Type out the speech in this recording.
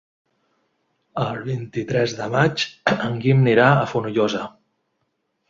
El vint-i-tres de maig en Guim anirà a Fonollosa.